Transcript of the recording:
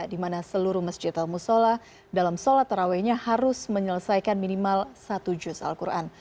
di mana seluruh masjid al musola dalam sholat terawihnya harus menyelesaikan minimal satu juz al quran